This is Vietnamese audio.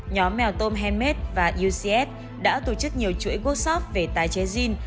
nhóm mèo tôm handmade và ucs đã tổ chức nhiều chuỗi workshop về tái chế dinh